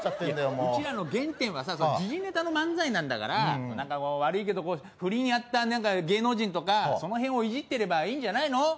うちらの原点はさ時事ネタの漫才なんだから悪いけど不倫やった芸能人とかその辺をいじってればいいんじゃないの？